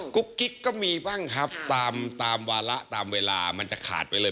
กุ๊กกิ๊กก็มีบ้างครับตามวาระตามเวลามันจะขาดไปเลย